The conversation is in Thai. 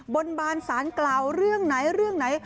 บนบานสารกล่าวเรื่องไหนเรื่องไหน